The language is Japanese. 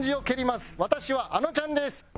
私はあのちゃんです。